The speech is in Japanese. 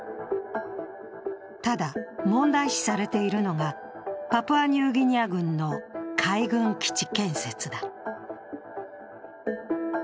ただ、問題視されているのが、パプアニューギニア軍の海軍基地建設だ。